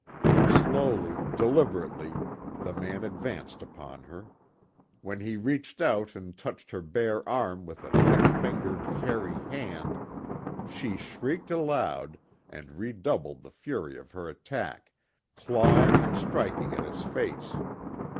Slowly, deliberately, the man advanced upon her. When he reached out and touched her bare arm with a thick fingered, hairy hand, she shrieked aloud, and redoubled the fury of her attack, clawing and striking at his face.